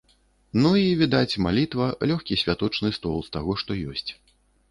Ну і, відаць, малітва, лёгкі святочны стол з таго, што ёсць.